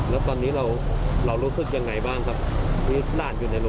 แล้วตอนนี้เรารู้สึกยังไงบ้างครับที่หลานอยู่ในรถ